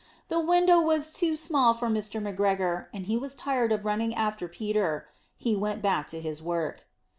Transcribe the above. The window was too small for Mr. McGregor, and he was tired of running after Peter. He went back to his work.